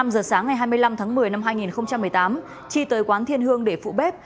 năm giờ sáng ngày hai mươi năm tháng một mươi năm hai nghìn một mươi tám chi tới quán thiên hương để phụ bếp